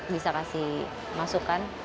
bisa kasih masukan